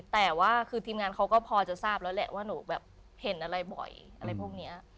แต่ว่าคือทีมงานเขาก็พอจะทราบแล้วแหละว่าหนูแบบเห็นอะไรบ่อยอะไรพวกนี้